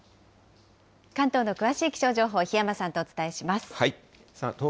関東の詳しい気象情報、檜山さんとお伝えします。